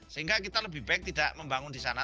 sehingga kita lebih baik tidak membangun disana